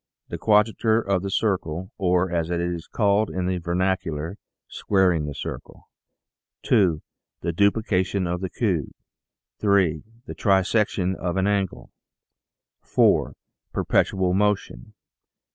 The Quadrature of the Circle or, as it is called in the vernacular, " Squaring the Circle." 2. The Duplication of the Cube. 3. The Trisection of an Angle. 4. Perpetual Motion.